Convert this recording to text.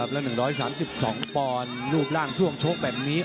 และ๑๓๒ปอนด์รูปร่างช่วงโชคแบบนี้